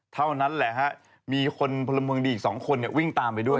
เท่านั้นแหละฮะมีคนพลเมืองดีอีก๒คนวิ่งตามไปด้วย